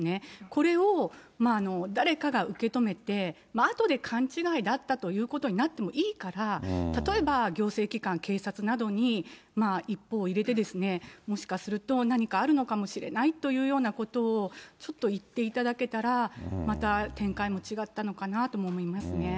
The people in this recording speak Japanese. これを誰かが受け止めて、あとで勘違いだったということになってもいいから、例えば行政機関、警察などに一報を入れて、もしかすると何かあるのかもしれないというようなことを、ちょっと言っていただけたら、また展開も違ったのかなとも思いますね。